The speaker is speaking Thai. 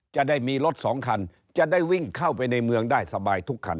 จะได้มีรถสองคันจะได้วิ่งเข้าไปในเมืองได้สบายทุกคัน